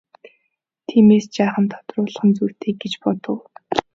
Тиймээс жаахан тодруулах нь зүйтэй гэж бодов.